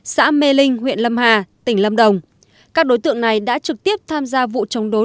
xã mê linh huyện lâm hà tỉnh lâm đồng các đối tượng này đã trực tiếp tham gia vụ chống đối